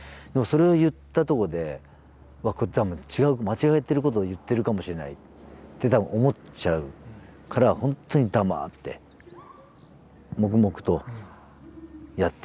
それを言ったとこで間違えてることを言ってるかもしれないって多分思っちゃうから本当に黙って黙々とやってましたね。